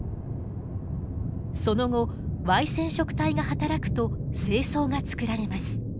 その後Ｙ染色体が働くと精巣が作られます。